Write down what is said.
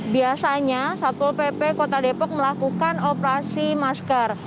biasanya satpol pp kota depok melakukan operasi masker